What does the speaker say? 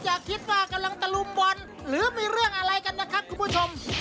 อย่าคิดว่ากำลังตะลุมบอลหรือมีเรื่องอะไรกันนะครับคุณผู้ชม